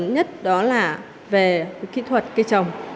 nhất đó là về kỹ thuật cây trồng